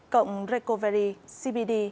cộng recovery cbd